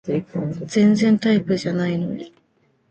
全然タイプじゃないのに